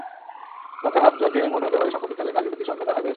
সংখ্যার মাপজোকে মনে হতে পারে সাম্প্রতিককালে নারীর প্রতি সহিংসতার হার বেড়েছে।